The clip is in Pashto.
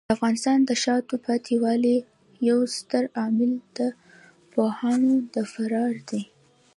د افغانستان د شاته پاتې والي یو ستر عامل د پوهانو د فرار دی.